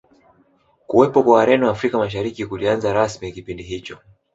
Kuwepo kwa Wareno Afrika Mashariki kulianza rasmi kipindi hicho